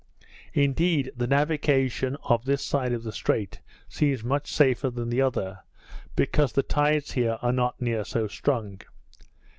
Indeed, the navigation of this side of the Strait seems much safer than the other, because the tides here are not near so strong.